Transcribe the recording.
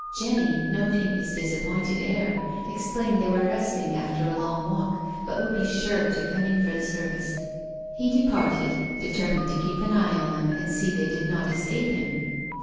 Jenny, noting his disappointed air, explained they were resting after a long walk, but would be sure to come in for the service. He departed, determined to keep an eye on them and see they did not escape him.